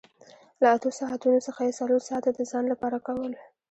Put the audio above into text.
له اتو ساعتونو څخه یې څلور ساعته د ځان لپاره کول